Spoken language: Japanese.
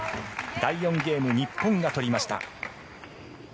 第４ゲーム、日本が取りました。